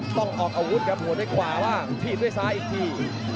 ต้องออกอาวุธครับหัวด้วยขวาว่างถีบด้วยซ้ายอีกที